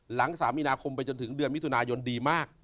๓มีนาคมไปจนถึงเดือนมิถุนายนดีมาก